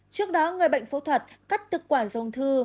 trước đó người bệnh phẫu thuật cắt tức quả dông thư